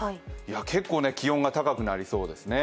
結構気温が高くなりそうですね。